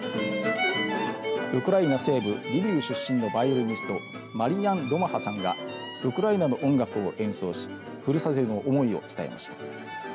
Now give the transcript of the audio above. ウクライナ西部リビウ出身のバイオリニストマリアン・ロマハさんがウクライナの音楽を演奏しふるさとへの思いを伝えました。